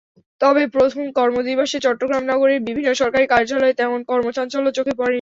তবে প্রথম কর্মদিবসে চট্টগ্রাম নগরের বিভিন্ন সরকারি কার্যালয়ে তেমন কর্মচাঞ্চল্য চোখে পড়েনি।